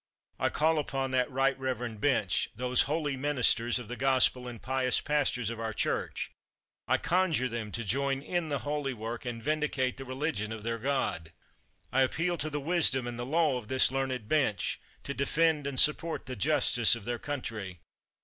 I call upon that right rev erend bench, those holy ministers of the Gospel, and pious pastors of our Church — I conjure them to join in the holy work, and vindicate the religion of their God. I appeal to the wisdom and the law of this learned bench, to defend and support the justice of their country.